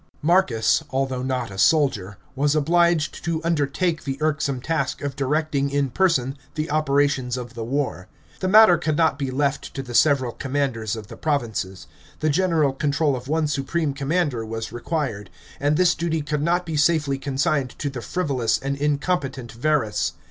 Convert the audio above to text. § 12. Marcus, although not a soldier, was obliged to undertake the irksome task of directing in person the operations of the war. The matter could not be left to the several commanders of the provinces ; the general control of one supreme commander was required ; and this duty could not be safely consigned to the frivolous and incompetent Verus.